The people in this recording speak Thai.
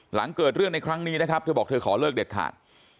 หลังเกิดเรื่องในครั้งนี้นะครับเธอบอกเธอขอเลิกเด็ดขาด